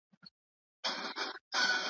یوه خورما د هغه د ټولې ورځې یوازینۍ توښه وه.